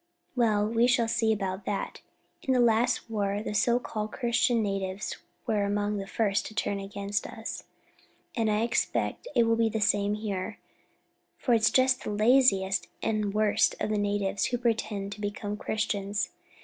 Well, we shall see about that. In the last war the so called Christian natives were among the first to turn against us, and I expect it will be the same here, for it's just the laziest and worst of the natives who pretend to become Christians.